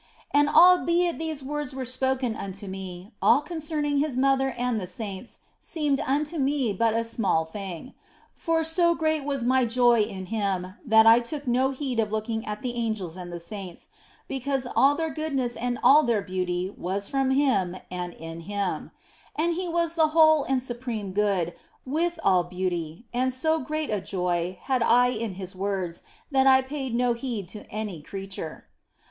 And albeit these words were spoken unto me, all concerning His mother and the saints seemed unto me but a small thing. For so great was my joy in Him that I took no heed of looking at the angels and the saints, because all i/o THE BLESSED ANGELA their goodness and all their beauty was from Him and in Him ; He was the whole and Supreme Good, with all beauty, and so great a joy had I in His words that I paid no heed to any creature.